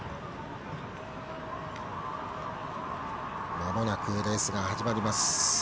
まもなくレースが始まります。